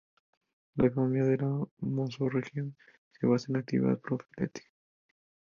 La economía de la mesorregión se basa en la actividad petrolífera.